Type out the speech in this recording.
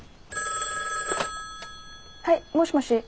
☎はいもしもし。